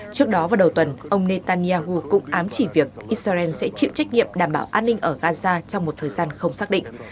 trước đó vào đầu tuần ông netanyahu cũng ám chỉ việc israel sẽ chịu trách nhiệm đảm bảo an ninh ở gaza trong một thời gian không xác định